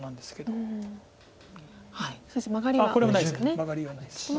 マガリがないですかね。